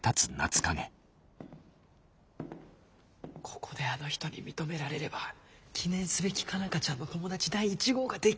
ここであの人に認められれば記念すべき佳奈花ちゃんの友達第一号ができるじゃねえか。